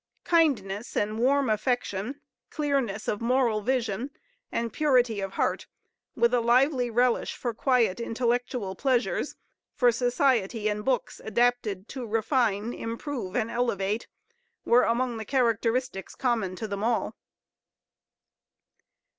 Kindness and warm affection, clearness of moral vision, and purity of heart, with a lively relish for quiet intellectual pleasures, for society and books adapted to refine, improve and elevate, were among the characteristics common to them all.